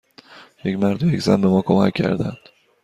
یک مرد و یک زن به ما کمک کردند.